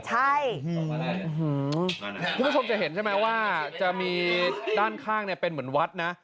ใช่คุณผู้ชมจะเห็นใช่ไหมว่าจะมีด้านข้างเนี่ยเป็นเหมือนวัดนะ